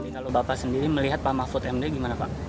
kalau bapak sendiri melihat pak mahfud md gimana pak